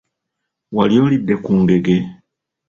Wali olidde ku ngege?